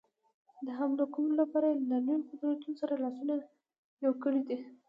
د حملو کولو لپاره یې له لویو قدرتونو سره لاسونه یو کړي دي.